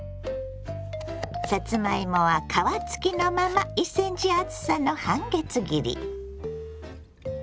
さつまいもは皮付きのまま１ｃｍ厚さの半月切り。